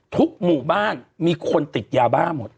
หมู่บ้านมีคนติดยาบ้าหมด